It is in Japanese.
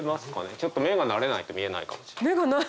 ちょっと目が慣れないと見えないかもしんない。